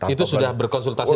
itu sudah berkonsultasi